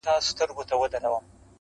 یا فرنګ ته یا پنجاب په ښکنځلو.!